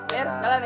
mir jalan ya